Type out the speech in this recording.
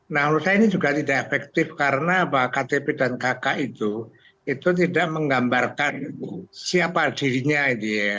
nah menurut saya ini juga tidak efektif karena ktp dan kk itu itu tidak menggambarkan siapa dirinya